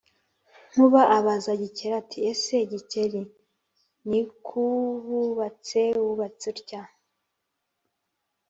Nkuba abaza Gikeli ati: »ese Gikeli, nikuwubatse wubatse utya